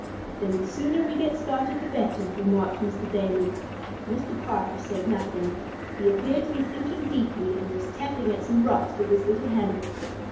"Then the sooner we get started the better," remarked Mr. Damon. Mr. Parker said nothing. He appeared to be thinking deeply, and was tapping at some rocks with his little hammer.